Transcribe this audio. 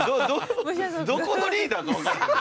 どこのリーダーかわからん。